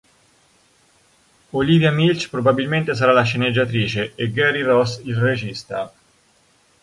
Olivia Milch probabilmente sarà la sceneggiatrice, e Gary Ross il regista.